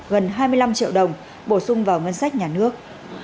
gần hai mươi năm triệu đồng bổ sung vào ngân sách nhà nước